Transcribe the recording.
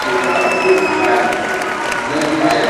Kuandika sana pia si mbaya